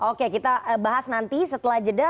oke kita bahas nanti setelah jeda